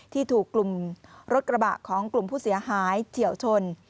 ที่ถูกกลุ่มรถกระบะของกลุ่มผู้เสียหายเฉียวชน